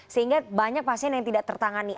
sehingga banyak pasien yang tidak tertangani